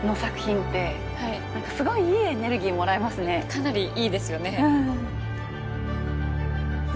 かなりいいですよね。